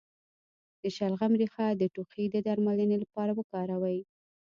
د شلغم ریښه د ټوخي د درملنې لپاره وکاروئ